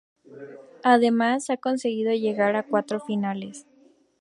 Además ha conseguido llegar a cuatro finales.